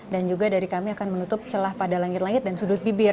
dan juga dari kami akan menutup celah pada langit langit dan sudut bibir